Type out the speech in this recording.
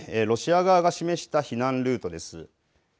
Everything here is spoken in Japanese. ロシア側が示した避難ルートです。